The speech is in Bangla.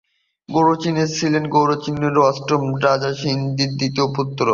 গোগুচিওন ছিলেন গোগুরিওর অষ্টম রাজা সিন্দির দ্বিতীয় পুত্র।